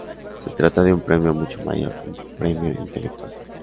Se trata de un premio mucho mayor, un premio intelectual.